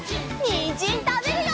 にんじんたべるよ！